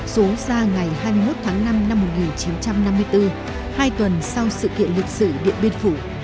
số ra ngày hai mươi một tháng năm năm một nghìn chín trăm năm mươi bốn hai tuần sau sự kiện lịch sử điện biên phủ